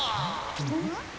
うん？